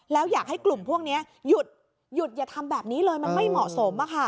แล้วอยากให้กลุ่มพวกนี้หยุดอย่าทำแบบนี้เลยมันไม่เหมาะสม